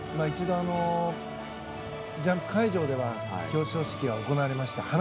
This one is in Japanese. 一度、ジャンプ会場では表彰式が行われました。